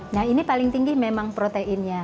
nah ini paling tinggi memang proteinnya